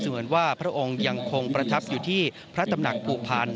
ถือได้ว่าเป็นตัวแทนที่สูตรถึงความในใจครับ